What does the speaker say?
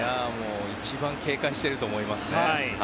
一番警戒してると思いますね。